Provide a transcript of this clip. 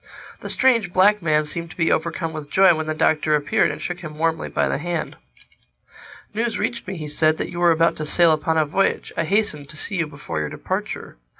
The strange black man seemed to be overcome with joy when the Doctor appeared and shook him warmly by the hand. "News reached me," he said, "that you were about to sail upon a voyage. I hastened to see you before your departure.